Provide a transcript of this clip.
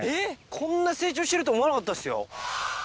こんな成長してると思わなかったっすよ！